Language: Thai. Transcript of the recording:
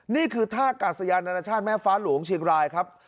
นี่คือท่ากาศยานานาชาติแม่ฟ้าหลวงเชียงรายครับ